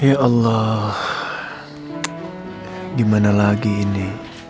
ya allah gimana lagi ini